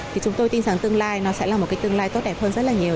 thì chúng tôi tin rằng tương lai nó sẽ là một cái tương lai tốt đẹp hơn rất là nhiều